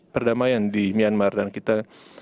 perdamaian di myanmar dan kita